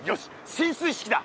進水式だ！